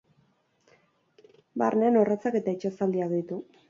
Barnean orratzak eta itsas zaldiak ditu.